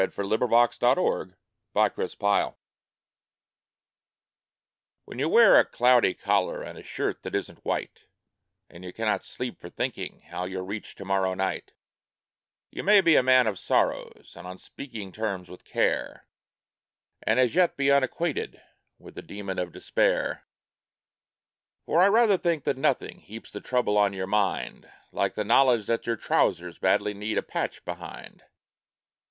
1905 When Your Pants Begin To Go HEN you wear a cloudy collar and a shirt that isn't white, And you cannot sleep for thinking how you'll reach to morrow night, You may be a man of sorrow, and on speaking terms with Care, But as yet you're unacquainted with the Demon of Despair ; For I rather think that nothing heaps the trouble on your mind Like the knowledge that your trousers badly need a patch behind.